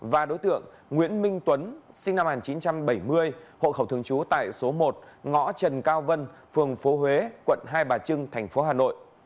và đối tượng nguyễn minh tuấn sinh năm một nghìn chín trăm bảy mươi hộ khẩu thường trú tại số một ngõ trần cao vân phường phố huế quận hai bà trưng thành phố hà nội